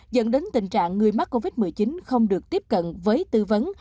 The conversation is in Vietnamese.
dẫn đến tình trạng người mắc covid một mươi chín không được tiếp cận với tư vấn